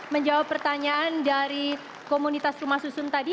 menjawab pertanyaan dari komunitas rumah susun tadi